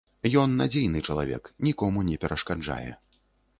Ён надзейны чалавек, нікому не перашкаджае.